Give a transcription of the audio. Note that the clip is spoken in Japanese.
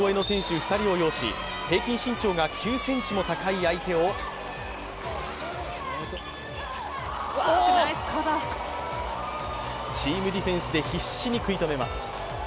２人を擁し平均身長が９ｃｍも高い相手をチームディフェンスで必死に食い止めます。